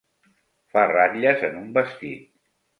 Fa ratlles en un vestit.